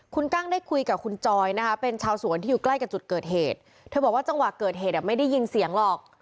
คุณกั้งได้คุยกับคุณจอยนะคะเป็นชาวสวนที่อยู่ใกล้กับจุดเกิดเหตุเธอบอกว่าจังหวะเกิดเหตุไม่ได้ยินเสียงหรอก